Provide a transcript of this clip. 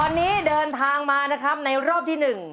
ตอนนี้เดินทางมานะครับในรอบที่๑